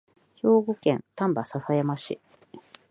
兵庫県丹波篠山市